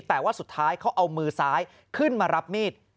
แต่ว่าสุดท้ายเขาเอามือซ้ายขึ้นมารับมีด